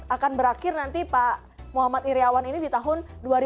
akan berakhir nanti pak muhammad iryawan ini di tahun dua ribu dua puluh